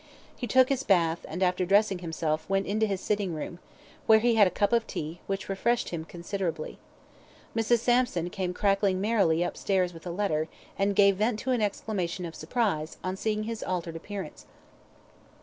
He took his bath, and, after dressing himself, went into his sitting room, where he had a cup of tea, which refreshed him considerably. Mrs. Sampson came crackling merrily upstairs with a letter, and gave vent to an exclamation of surprise, on seeing his altered appearance.